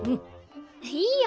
いいよ。